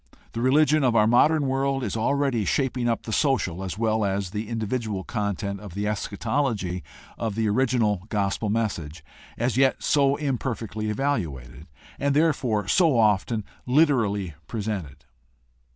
The religion of our modern world is already shaping up the social as well as the individual content of the eschatology of the original gospel message, as yet so imper fectly evaluated, and therefore so often literally presented.